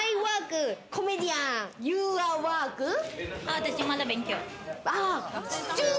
私、まだ勉強。